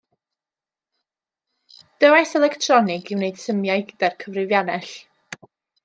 Dyfais electronig i wneud symiau ydy'r cyfrifiannell.